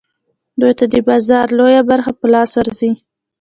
دوی ته د بازار لویه برخه په لاس ورځي